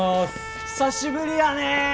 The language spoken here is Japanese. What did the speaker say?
久しぶりやねえ！